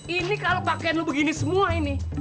ini kalau pakaian lo begini semua ini